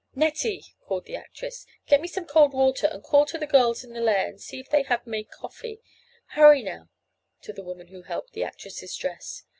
"Nettie!" called the actress, "get me some cold water and call to the girls in the 'Lair' and see if they have made coffee. Hurry now," to the woman who helped the actresses dress.